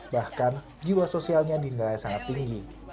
bahkan jiwa sosialnya dinilai sangat tinggi